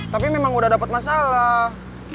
tapi memang udah dapat masalah